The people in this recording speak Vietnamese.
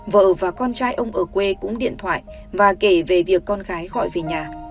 vợ và con trai ông ở quê cũng điện thoại và kể về việc con gái gọi về nhà